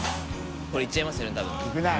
これ行っちゃいますよね